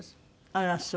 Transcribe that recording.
あらそう。